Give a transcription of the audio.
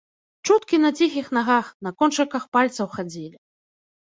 Чуткі на ціхіх нагах, на кончыках пальцаў хадзілі.